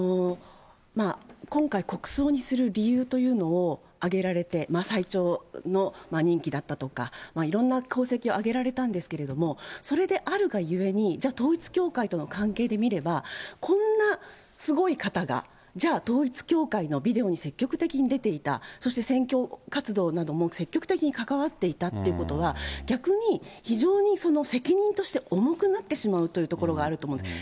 今回、国葬にする理由というのを挙げられて、最長の任期だったとか、色んな功績を挙げられたんですけれども、それであるがゆえに、じゃあ、統一教会との関係で見れば、こんなすごい方が、じゃあ、統一教会のビデオに積極的に出ていた、そして選挙活動なども積極的に関わっていたということは、逆に非常に責任として重くなってしまうということがあると思うんです。